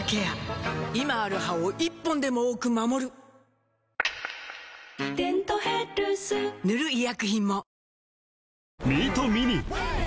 今ある歯を１本でも多く守る「デントヘルス」塗る医薬品も